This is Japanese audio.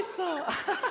アハハハ。